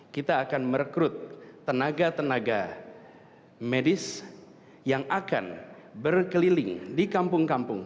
kita akan merekrut tenaga tenaga medis yang akan berkeliling di kampung kampung